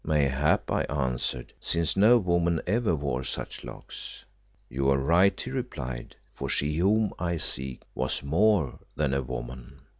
"'Mayhap,' I answered, 'since no woman ever wore such locks.' "'You are right,' he replied, 'for she whom I seek was more than a woman.